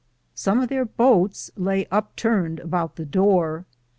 Some of their boats lay upturned about the door.